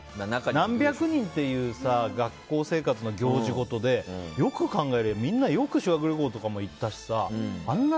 何百人っていう学校生活の行事ごとでよく考えたらみんなよく修学旅行とかも行ったしさあんな